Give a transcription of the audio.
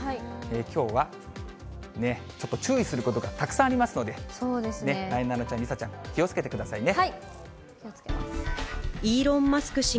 きょうは、ちょっと注意することがたくさんありますので、なえなのちゃん、梨紗ちゃん、気をつけてくださいね。